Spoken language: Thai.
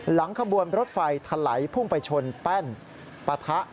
หลังขบวนรถไฟทะไหลพุ่งไปชนแป้นปะทะ